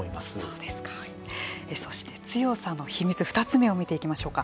そして強さの秘密２つ目を見ていきましょうか。